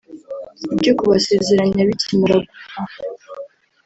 Ibyo kubasezeranya bikimara gupfa